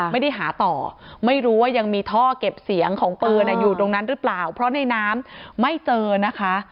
ไม่ได้หาต่อไม่รู้ว่ายังมีท่อเก็บเสียงของปืนอยู่ตรงนั้นหรือเปล่าเพราะในน้ำไม่เจอนะคะ